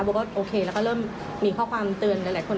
บอกว่าโอเคแล้วก็เริ่มมีข้อความเตือนหลายคน